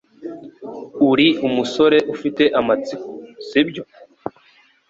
Uri umusore ufite amatsiko, sibyo?